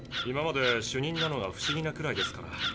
今まで主任なのが不思議なくらいですから。